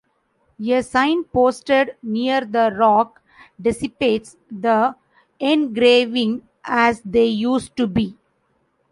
A sign posted near the rock depicts the engravings as they used to be.